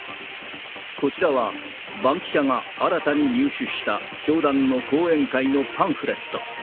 こちらはバンキシャが新たに入手した教団の講演会のパンフレット。